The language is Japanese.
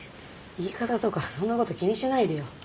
言い方とかそんなこと気にしないでよ。